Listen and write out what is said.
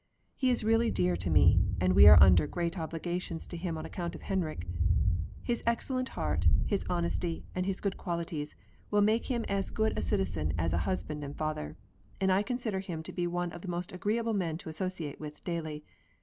He is really dear to me, and we are under great obligations to him on account of Henrik; his excellent heart, his honesty, and his good qualities, will make him as good a citizen as a husband and father, and I consider him to be one of the most agreeable men to associate with daily.